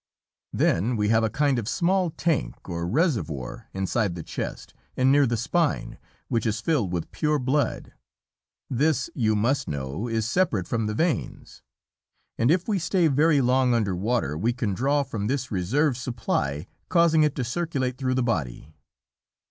Then we have a kind of small tank or reservoir inside the chest and near the spine which is filled with pure blood. This, you must know, is separate from the veins, and if we stay very long under water we can draw from this reserve supply, causing it to circulate through the body.